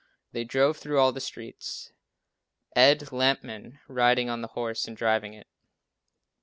They drove through all the streets, Ed Lampman riding on the horse and driving it.